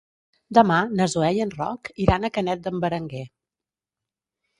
Demà na Zoè i en Roc iran a Canet d'en Berenguer.